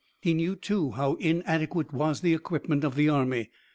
He knew, too, how inadequate was the equipment of the army.